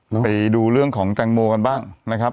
ไปดูเรื่องของแตงโมกันบ้างนะครับ